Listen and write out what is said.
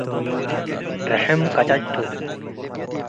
ርሕም ቀጨጭ ቱ።